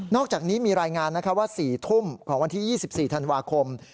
อกจากนี้มีรายงานว่า๔ทุ่มของวันที่๒๔ธันวาคม